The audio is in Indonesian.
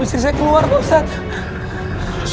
istri saya keluar pak ustadz